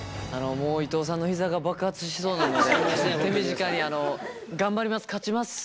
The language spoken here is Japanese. もう伊藤さんの膝が爆発しそうなので手短に頑張ります。